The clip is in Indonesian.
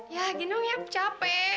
ya gendong ya pu capek